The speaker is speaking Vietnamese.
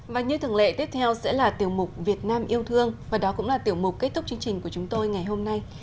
và như thường lệ tiếp theo sẽ là tiểu mục việt nam yêu thương và đó cũng là tiểu mục kết thúc chương trình của chúng tôi ngày hôm nay